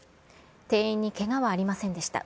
店員にけがはありませんでした。